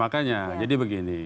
makanya jadi begini